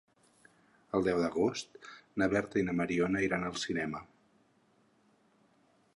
El deu d'agost na Berta i na Mariona iran al cinema.